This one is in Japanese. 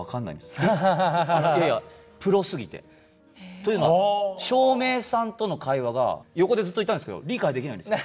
というのは照明さんとの会話が横でずっといたんですけど理解できないんですよ。